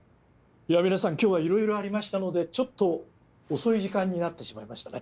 では皆さん今日はいろいろありましたのでちょっと遅い時間になってしまいましたね。